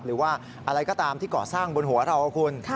หรือว่าอะไรก็ตามที่ก่อสร้างบนหัวเราะคุณ